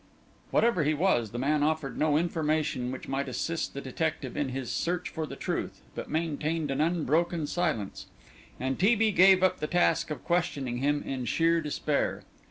Whatever he was, the man offered no information which might assist the detective in his search for the truth, but maintained an unbroken silence, and T. B. gave up the task of questioning him in sheer despair.